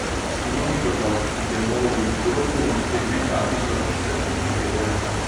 I primi prototipi del nuovo velivolo furono sperimentati sulla pista di Pontedera.